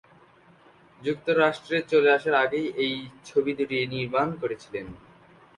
যুক্তরাষ্ট্রে চলে আসার আগেই এই ছবি দুটি নির্মাণ করেছিলেন।